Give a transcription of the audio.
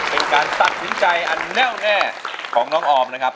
เป็นการตัดสินใจอันแน่วแน่ของน้องออมนะครับ